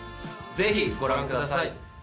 ぜひご覧ください